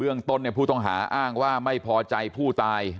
ต้นผู้ต้องหาอ้างว่าไม่พอใจผู้ตาย